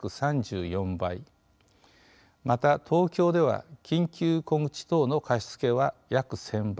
また東京では緊急小口等の貸し付けは約１，０００倍。